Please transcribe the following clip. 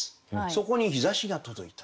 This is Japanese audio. そこに陽射しが届いた。